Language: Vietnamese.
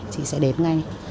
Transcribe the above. chị sẽ đến ngay